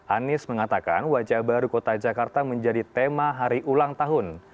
anies mengatakan wajah baru kota jakarta menjadi tema hari ulang tahun